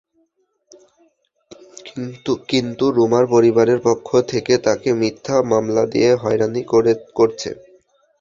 কিন্তু রুমার পরিবারের পক্ষ থেকে তাঁকে মিথ্যা মামলা দিয়ে হয়রানি করছে।